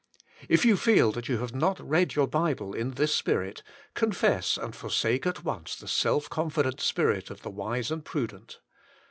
If you feel that you have not read your Bible in this spirit, confess and forsake at once the self confident spirit of the wise and prudent.